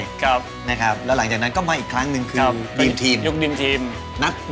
และหลังจากนั้นก็มาอีกครั้งหนึ่งวันนั้นก็ออกมาอีกครั้งหนึ่งวันนี้เป็นยุคเดียดม์